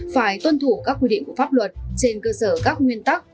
phải tuân thủ các quy định của pháp luật trên cơ sở các nguyên tắc